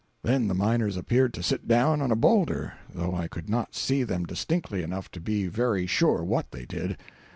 Then the miners appeared to sit down on a boulder, though I could not see them distinctly enough to be very sure what they did.